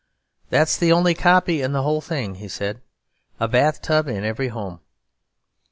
'That's the only copy in the whole thing,' he said, 'A Bath Tub in Every Home.'